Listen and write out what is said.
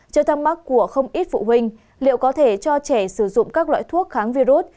trước thắc mắc của không ít phụ huynh liệu có thể cho trẻ sử dụng các loại thuốc kháng virus